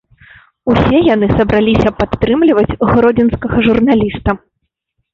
Усе яны сабраліся падтрымаць гродзенскага журналіста.